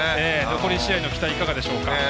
残り試合の期待いかがでしょうか？